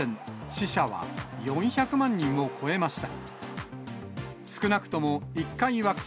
死者は４００万人を超えました。